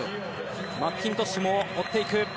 マッキントッシュも追っていく。